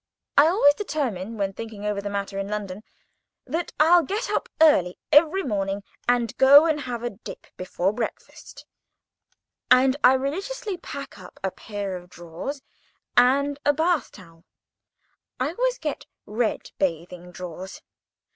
I always determine—when thinking over the matter in London—that I'll get up early every morning, and go and have a dip before breakfast, and I religiously pack up a pair of drawers and a bath towel. I always get red bathing drawers.